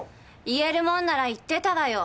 言えるもんなら言ってたわよ。